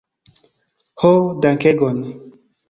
Ho dankegon